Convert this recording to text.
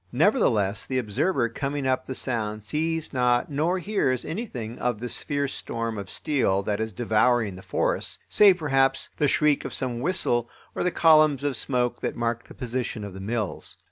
Nevertheless, the observer coming up the Sound sees not nor hears anything of this fierce storm of steel that is devouring the forests, save perhaps the shriek of some whistle or the columns of smoke that mark the position of the mills.